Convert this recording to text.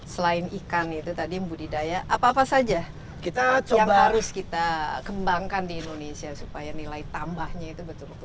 selain ikan itu tadi budidaya apa apa saja yang harus kita kembangkan di indonesia supaya nilai tambahnya itu betul betul